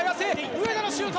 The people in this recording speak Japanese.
上田のシュート！